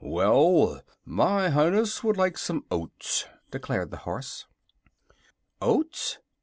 "Well, my Highness would like some oats," declared the horse. "Oats?